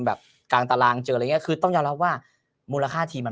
กลางตารางเจออะไรอย่างเงี้คือต้องยอมรับว่ามูลค่าทีมมัน